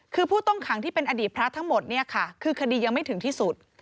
คือผู้ต้องหางที่เป็นอดีตพระทั้งหมดคือคดีก็ไม่ถึงที่สุด